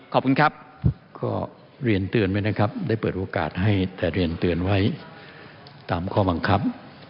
ขอบคุณครับ